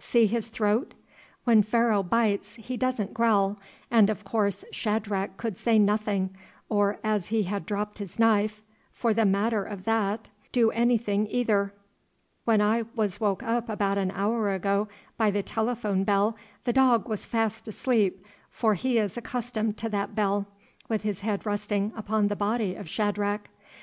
See his throat? When Pharaoh bites he doesn't growl, and, of course, Shadrach could say nothing, or, as he had dropped his knife, for the matter of that, do anything either. When I was woke up about an hour ago by the telephone bell the dog was fast asleep, for he is accustomed to that bell, with his head resting upon the body of Shadrach.